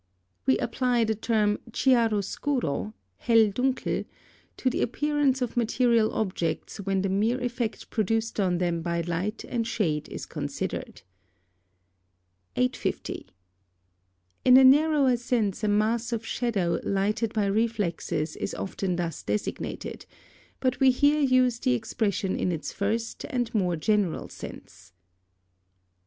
We apply the term chiaro scuro (Helldunkel) to the appearance of material objects when the mere effect produced on them by light and shade is considered. Note D D. 850. In a narrower sense a mass of shadow lighted by reflexes is often thus designated; but we here use the expression in its first and more general sense.